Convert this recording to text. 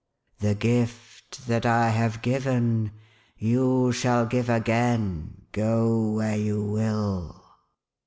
"The gift that I have given, you shall give again, go where you will